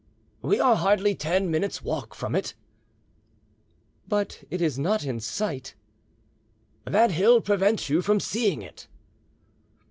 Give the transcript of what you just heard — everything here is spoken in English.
"We are hardly ten minutes' walk from it." "But it is not in sight." "That hill prevents you from seeing it."